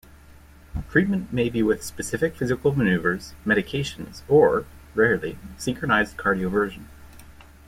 Treatment may be with specific physical maneuvers, medications, or, rarely, synchronized cardioversion.